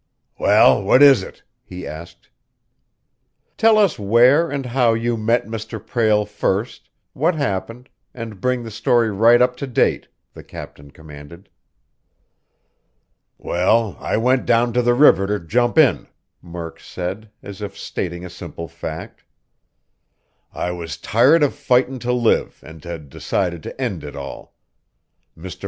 "Well, what is it?" he asked. "Tell us where and how you met Mr. Prale first, what happened, and bring the story right up to date," the captain commanded. "Well, I went down to the river to jump in," Murk said, as if stating a simple fact. "I was tired of fightin' to live and had decided to end it all. Mr.